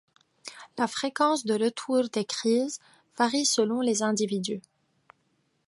La fréquence de retour des crises varie selon les individus.